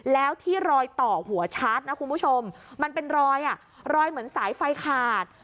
แล้วที่รอยต่อหัวชาร์จนะคุณผู้ชมมันเป็นรอยอ่ะรอยรอยเหมือนสายไฟขาด